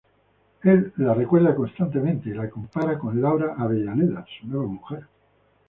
Él la recuerda constantemente y la compara con Laura Avellaneda, su nueva mujer.